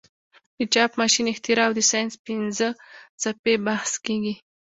د چاپ ماشین اختراع او د ساینس پنځه څپې بحث کیږي.